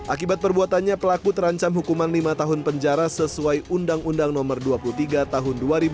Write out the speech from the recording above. akibat perbuatannya pelaku terancam hukuman lima tahun penjara sesuai undang undang nomor dua puluh tiga tahun